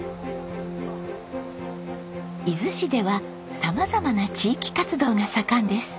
伊豆市では様々な地域活動が盛んです。